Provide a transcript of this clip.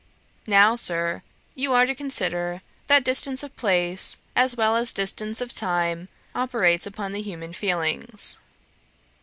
Now, Sir, you are to consider, that distance of place, as well as distance of time, operates upon the human feelings.